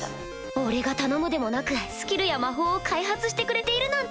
俺が頼むでもなくスキルや魔法を開発してくれているなんて！